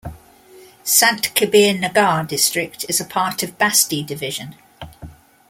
Sant Kabir Nagar district is a part of Basti division.